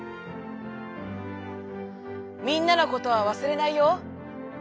「みんなのことはわすれないよ。